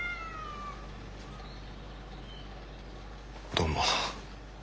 どうも。